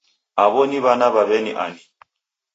Aw'o ni w'ana w'a w'eni ani